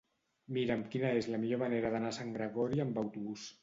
Mira'm quina és la millor manera d'anar a Sant Gregori amb autobús.